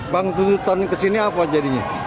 bang tutupan kesini apa jadinya